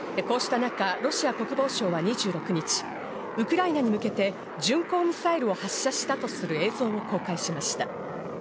こうしたなか、ロシア国防省は２６日、ウクライナに向けて巡航ミサイルを発射したとする映像を公開しました。